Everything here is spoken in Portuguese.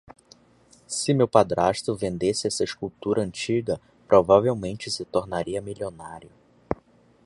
Se meu padrasto vendesse essa escultura antiga, provavelmente se tornaria milionário.